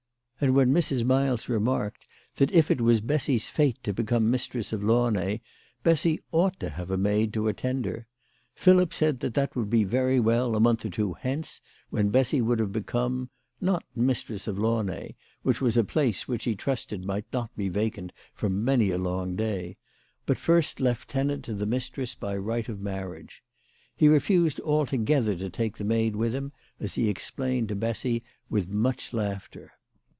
And when Mrs. Miles remarked that if it was Bessy's fate to become mistress of Launay, Bessy ought to have a maid to attend her, Philip said that that would be very well a month or two hence, when Bessy would have become, not mistress of Launay, which was a place which he trusted might not be vacant for many a long day, but first lieutenant to the mistress, by right of marriage. He refused alto gether to take the maid^with him, as he explained to Bessy with much laughter.